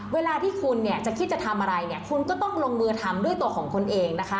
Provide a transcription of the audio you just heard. เวลาที่คุณจะคิดจะทำอะไรคุณก็ต้องลงมือทำด้วยตัวของคนเอง